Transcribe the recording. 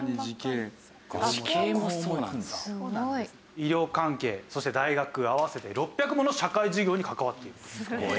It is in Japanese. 医療関係そして大学合わせて６００もの社会事業に関わっていると。